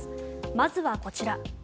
まずはこちら。